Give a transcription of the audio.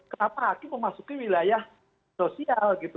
kenapa hakim memasuki wilayah sosial gitu